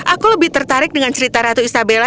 aku lebih tertarik dengan cerita ratu istabella